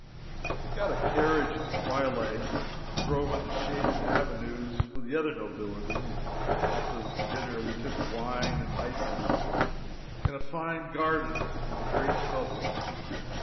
We got a carriage at twilight and drove in the shaded avenues with the other nobility, and after dinner we took wine and ices in a fine garden with the great public.